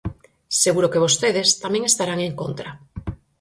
Seguro que vostedes tamén estarán en contra.